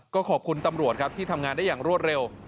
ก็ขอบคุณตำรวจครับที่ทำงานได้อย่างรวดเร็ว